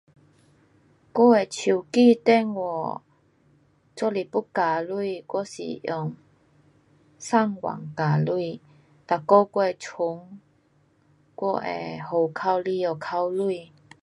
我的手机电话，若是要加钱我是用上网加钱，每个月从我的户口里下扣钱。